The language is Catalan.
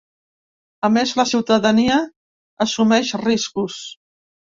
A més, la ciutadania assumeix riscos.